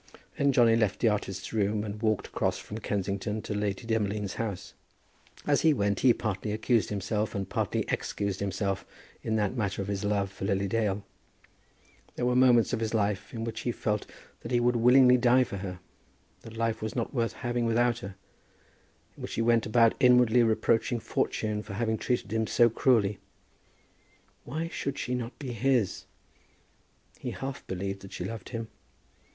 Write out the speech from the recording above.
Then Johnny left the artist's room and walked across from Kensington to Lady Demolines' house. As he went he partly accused himself, and partly excused himself in that matter of his love for Lily Dale. There were moments of his life in which he felt that he would willingly die for her, that life was not worth having without her, in which he went about inwardly reproaching fortune for having treated him so cruelly. Why should she not be his? He half believed that she loved him.